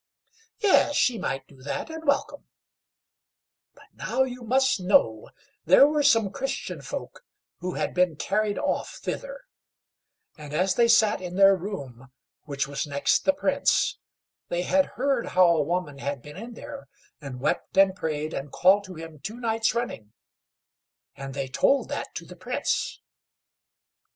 Yes! she might do that and welcome. But now you must know there were some Christian folk who had been carried off thither, and as they sat in their room, which was next the Prince, they had heard how a woman had been in there, and wept and prayed, and called to him two nights running, and they told that to the Prince.